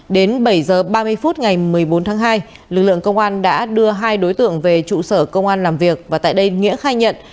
đến bảy h ba mươi phút ngày một mươi bốn tháng hai lực lượng công an đã đưa hai đối tượng về trụ sở công an làm việc và tại đây nghĩa khai nhận